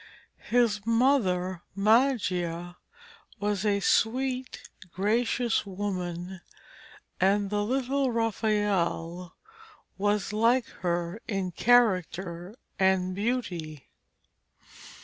His mother, Magia, was a sweet, gracious woman, and the little Raphael was like her in character and beauty.